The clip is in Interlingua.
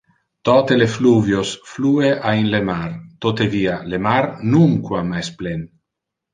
Tote le fluvios flue a in le mar, totevia le mar nunquam es plen.